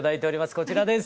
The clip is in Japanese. こちらです。